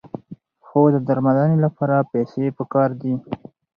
خو د درملنې لپاره پیسې پکار دي.